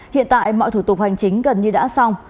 hiện tại mọi thủ tục hành chính gần như đã xong